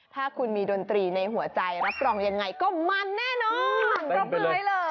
ถ้ามีดนตรีในหัวใจรับปลองอย่างไรก็มันแน่นอน